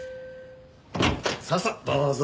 さあさあどうぞ。